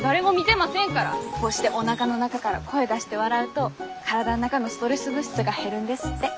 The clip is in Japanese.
こうしておなかの中がら声出して笑うと体の中のストレス物質が減るんですって。